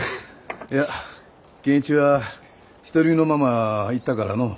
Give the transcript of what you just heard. いや健一は独り身のまま行ったからのお。